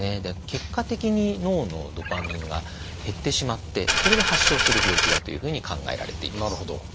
結果的に脳のドパミンが減ってしまってそれで発症する病気だというふうに考えられています。